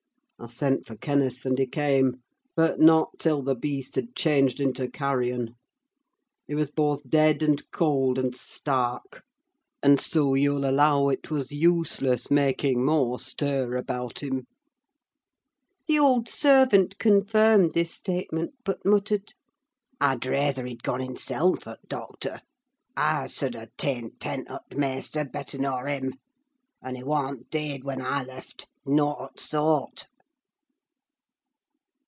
I sent for Kenneth, and he came; but not till the beast had changed into carrion: he was both dead and cold, and stark; and so you'll allow it was useless making more stir about him!" The old servant confirmed this statement, but muttered: "I'd rayther he'd goan hisseln for t' doctor! I sud ha' taen tent o' t' maister better nor him—and he warn't deead when I left, naught o' t' soart!"